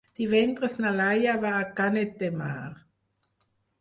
Divendres na Laia va a Canet de Mar.